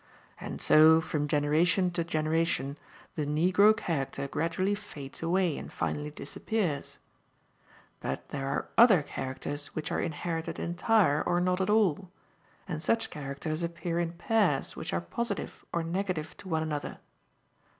And so, from generation to generation, the negro character gradually fades away and finally disappears. But there are other characters which are inherited entire or not at all, and such characters appear in pairs which are positive or negative to one another.